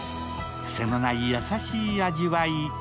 クセのない優しい味わい。